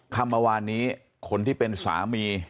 คำเมื่อวานนี้คนที่เป็นสามี